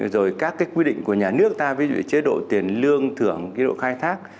rồi các cái quy định của nhà nước ta ví dụ chế độ tiền lương thưởng chế độ khai thác